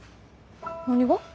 何が？